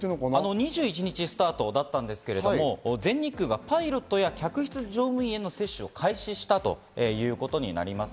２１日スタートだったんですが、全日空がパイロットや客室乗務員への接種を開始したということになります。